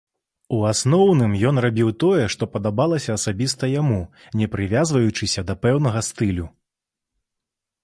У асноўным ён рабіў тое, што падабалася асабіста яму, не прывязваючыся да пэўнага стылю.